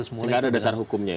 sehingga ada dasar hukumnya ya